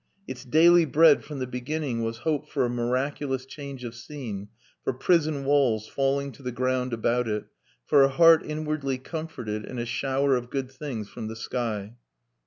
Its daily bread, from the beginning, was hope for a miraculous change of scene, for prison walls falling to the ground about it, for a heart inwardly comforted, and a shower of good things from the sky.